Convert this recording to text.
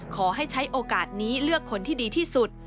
ขอให้ใช้โอกาสนี้เลือกคนที่ดีที่สุด